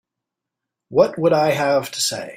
What would I have to say?